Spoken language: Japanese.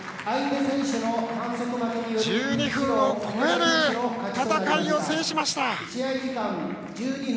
１２分を超える戦いを制しました。